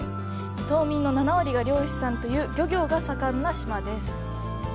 島民の７割が漁師さんという漁業が盛んな島です。